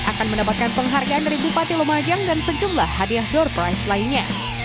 akan mendapatkan penghargaan dari bupati lumajang dan sejumlah hadiah door price lainnya